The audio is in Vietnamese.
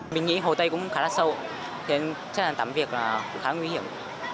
mình nghĩ hồ tây cũng khá là sâu nên chắc là tắm việc là cũng khá nguy hiểm